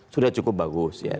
sudah cukup bagus ya